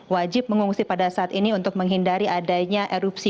wajib mengungsi pada saat ini untuk menghindari adanya erupsi